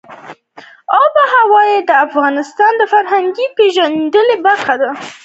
آب وهوا د افغانانو د فرهنګي پیژندنې برخه ده.